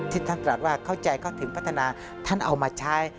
ท่านตรัสว่าเข้าใจเข้าถึงพัฒนาท่านเอามาใช้